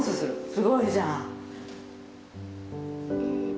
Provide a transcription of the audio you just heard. すごいじゃん。